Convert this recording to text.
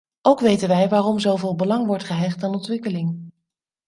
Ook weten wij waarom zoveel belang wordt gehecht aan ontwikkeling.